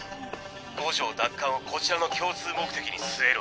五条奪還をこちらの共通目的に据えろ。